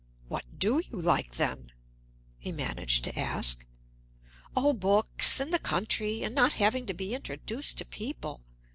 "What do you like, then?" he managed to ask. "Oh, books, and the country, and not having to be introduced to people."